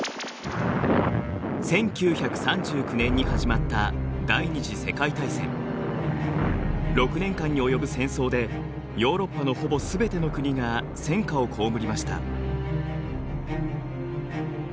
１９３９年に始まった６年間に及ぶ戦争でヨーロッパのほぼすべての国が戦禍を被りました。